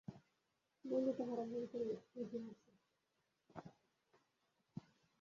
বন্ধু, তাহারা ভুল বুঝিয়াছে।